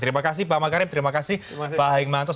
terima kasih pak makarib terima kasih pak haing mantos